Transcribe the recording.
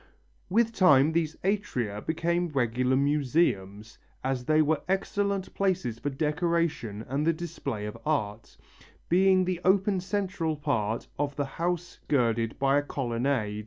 With time these atria became regular museums, as they were excellent places for decoration and the display of art, being the open central part of the house girded by a colonnade.